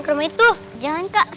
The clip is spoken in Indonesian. ya aku pegangin dong